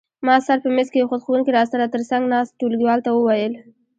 ما سر په مېز کېښود، ښوونکي را سره تر څنګ ناست ټولګیوال ته وویل.